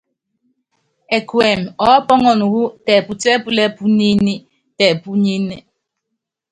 Ɛkuɛmɛ ɔɔ́pɔ́nɔnɔ wú tɛɛ́putíɛ́púlɛ́ púnyíní, tɛpúnyíní.